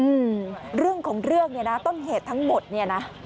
อืมเรื่องของเรื่องเนี่ยนะต้นเหตุทั้งหมดเนี่ยนะ